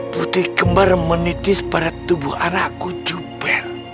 putri kembal menitis pada tubuh anakku zuber